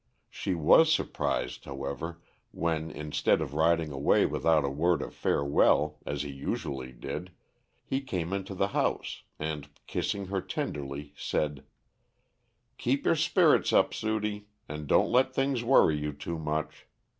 She was surprised, however, when, instead of riding away without a word of farewell, as he usually did, he came into the house, and, kissing her tenderly, said: "Keep your spirits up, Sudie, and don't let things worry you too much.